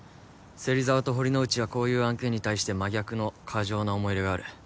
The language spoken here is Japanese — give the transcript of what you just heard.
芹沢と堀之内はこういう案件に対して真逆の過剰な思い入れがある。